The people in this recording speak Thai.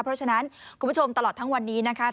เพราะฉะนั้นคุณผู้ชมตลอดทั้งวันนี้นะคะ